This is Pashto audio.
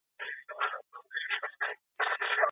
د کار او عمل وخت دی.